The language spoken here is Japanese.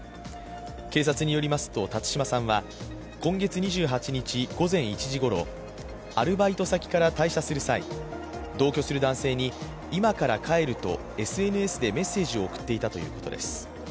警察によりますと辰島さんは今月２８日午前１時ごろ、アルバイト先から退社する際、同居する男性に今から帰るとＳＮＳでメッセージを送っていたということです。